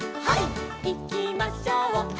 「いきましょう」